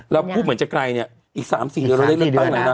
พูดเหมือนจะไกลเนี่ยอีก๓๔เดือนเราได้เลือกตั้งแล้วนะ